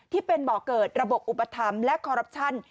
ที่เป็นบ่อเกิดระบบอุปถัมภ์และคอรัปชั่น